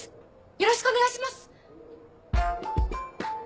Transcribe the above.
よろしくお願いします！